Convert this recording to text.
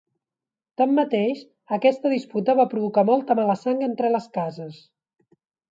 Tanmateix, aquesta disputa va provocar molta mala sang entre les cases.